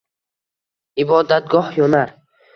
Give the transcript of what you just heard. Ibodatgoh yonar